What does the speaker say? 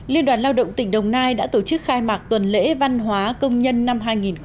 liên đoàn lao động tỉnh đồng nai đã tổ chức khai mạc tuần lễ văn hóa công nhân năm hai nghìn một mươi chín